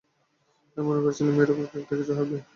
আমিও মনে করিয়াছিলাম এইরকম একটা কিছু হইবেই।